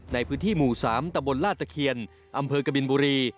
ในพื้นที่หมู่๓ตะบนลาดตะเคียนอำเภอกบินบุรี